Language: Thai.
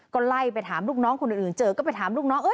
ก็ไล่ไปถามลูกน้องคนอื่นเจอก็ไปถามลูกน้องเอ้